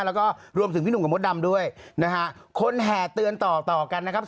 แล้วก็รวมถึงพี่หนุ่มกับมดดำด้วยนะฮะคนแห่เตือนต่อต่อกันนะครับ